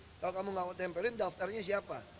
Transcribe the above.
kalau kamu gak mau tempelin daftarnya siapa